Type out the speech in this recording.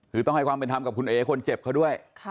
คือต้องให้ความเป็นธรรมกับคุณเอ๋คนเจ็บเขาด้วย